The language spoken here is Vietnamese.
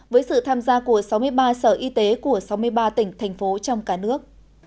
với sự tham gia của sáu mươi ba sở y tế của sáu mươi ba tỉnh thành phố trong cả nước